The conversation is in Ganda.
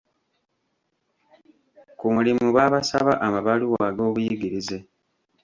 Ku mulimu baabasaba amabaluwa g'obuyigirize.